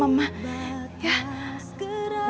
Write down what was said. mama aku pasti ke sini